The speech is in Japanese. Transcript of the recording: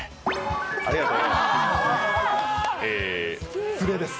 ありがとうございます。